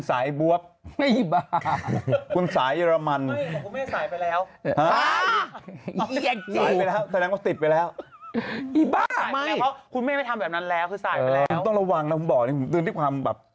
สายเบิร์นสายพรับอะ